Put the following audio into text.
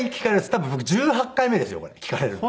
多分僕１８回目ですよこれ聞かれるの。